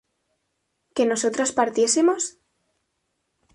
¿que nosotras partiésemos?